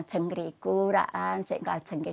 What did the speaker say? jadi saya ingin membeli ini